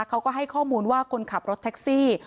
เขาก็ให้ข้อมูลว่าคนขับรถแท็กซี่